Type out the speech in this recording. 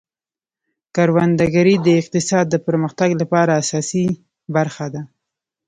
کروندګري د اقتصاد د پرمختګ لپاره اساسي برخه ده.